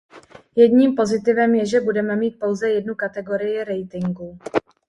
Jedním pozitivem je, že budeme mít pouze jednu kategorii ratingu.